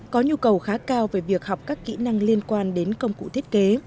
có nhu cầu khá cao về việc học các kỹ năng liên quan đến công cụ thiết kế